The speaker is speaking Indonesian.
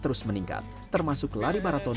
terus meningkat termasuk lari maraton